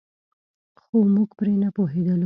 خو موږ پرې نه پوهېدلو.